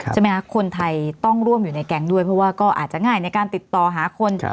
ใช่ไหมคะคนไทยต้องร่วมอยู่ในแก๊งด้วยเพราะว่าก็อาจจะง่ายในการติดต่อหาคน